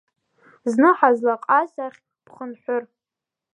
Зны ҳазлаҟаз ахь бхынҳәыр…